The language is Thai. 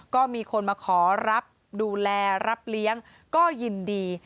ก็มีคนมาขอรับดูแลรับเลี้ยงก็ยินดี